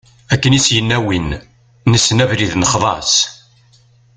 Akken i s-yenna win: nessen abrid nexḍa-as.